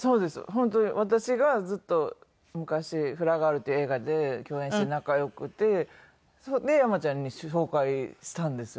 本当に私がずっと昔『フラガール』っていう映画で共演して仲良くてで山ちゃんに紹介したんですよ。